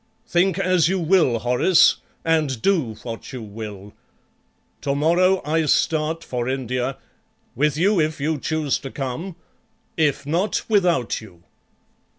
Think as you will, Horace, and do what you will. To morrow I start for India, with you if you choose to come; if not, without you."